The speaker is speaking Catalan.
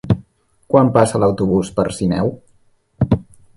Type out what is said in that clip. Quan passa l'autobús per Sineu?